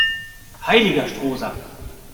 Heiliger Strohsack!